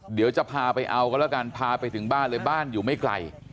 เดี๋ยวจะพาไปเอากันแล้วกันพาไปถึงบ้านเลยบ้านอยู่ไม่ไกล